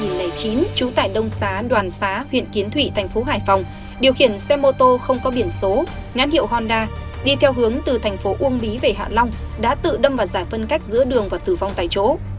năm hai nghìn chín trú tại đông xá đoàn xá huyện kiến thụy thành phố hải phòng điều khiển xe mô tô không có biển số ngán hiệu honda đi theo hướng từ thành phố uông bí về hạ long đã tự đâm và giả phân cách giữa đường và tử vong tại chỗ